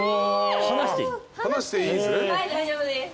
離していいんですね？